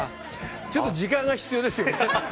ちょっと時間が必要ですよね。